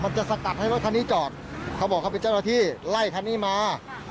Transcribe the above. จะสกัดให้รถคันนี้จอดเขาบอกเขาเป็นเจ้าหน้าที่ไล่คันนี้มา